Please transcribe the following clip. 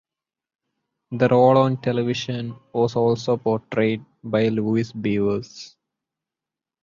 The role on television was also portrayed by Louise Beavers.